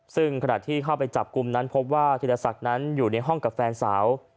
ซึ่งขณะที่เข้าไปจับกลุ่มนั้นพบว่าธีรศักดิ์นั้นอยู่ในห้องกับแฟนสาว